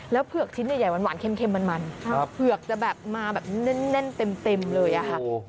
แล้วเผือกชิ้นใหญ่หวานเค็มมันเผือกจะแบบมาแบบแน่นเต็มเลยอะค่ะ